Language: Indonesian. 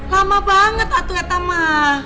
lama banget atuh etama